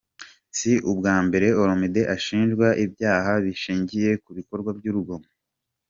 Si ubwa mbere Olomide ashinjwe ibyaha bishingiye ku bikorwa by'urugomo.